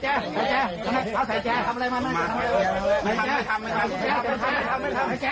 หนีจริงละ